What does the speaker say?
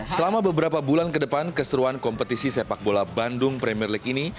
selama beberapa bulan ke depan keseruan kompetisi sepak bola bandung premier league ini